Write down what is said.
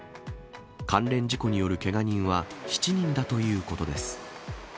関連事故によるけが人は７人だということです。